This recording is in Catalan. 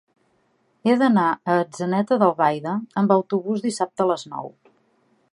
He d'anar a Atzeneta d'Albaida amb autobús dissabte a les nou.